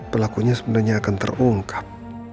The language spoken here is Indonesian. pelakunya sebenarnya akan terungkap